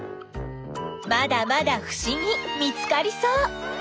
まだまだふしぎ見つかりそう！